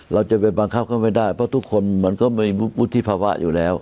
เราจะไปบังคับเขาไม่ได้เพราะทุกคนมันก็มีวุฒิภาวะอยู่แล้ว